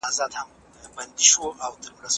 ډرامه لیکونکي وویل چې دا زما خپل لاسلیک دی.